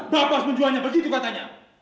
bapak harus menjualnya begitu katanya